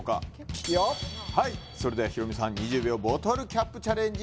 いいよはいそれではヒロミさん２０秒ボトルキャップチャレンジ